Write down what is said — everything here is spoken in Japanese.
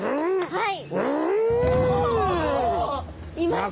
はい。